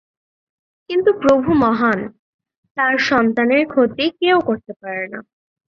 কিন্তু প্রভু মহান্, তাঁর সন্তানের ক্ষতি কেউ করতে পারে না।